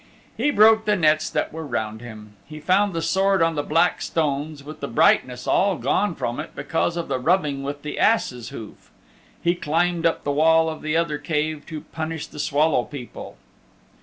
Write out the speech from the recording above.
He broke the nets that were round him. He found the Sword on the black stones, with the brightness all gone from it because of the rubbing with the ass's hoof. He climbed up the wall of the other cave to punish the Swallow People.